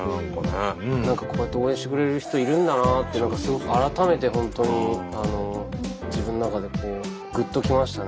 こうやって応援してくれる人いるんだなって何かすごく改めて本当に自分の中でこうグッときましたね。